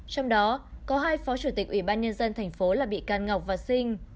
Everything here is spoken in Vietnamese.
trong đó có hai phó chủ tịch ủy ban nhân dân tp long xuyên là bị can ngọc và sinh